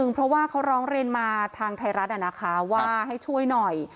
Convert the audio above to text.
เพราะว่าเขาร้องเรียนมาทางไทยรัฐนะคะว่าให้ช่วยหน่อย